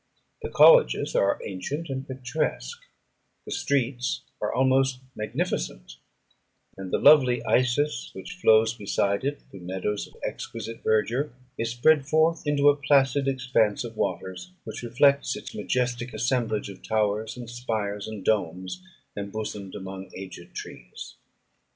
The colleges are ancient and picturesque; the streets are almost magnificent; and the lovely Isis, which flows beside it through meadows of exquisite verdure, is spread forth into a placid expanse of waters, which reflects its majestic assemblage of towers, and spires, and domes, embosomed among aged trees.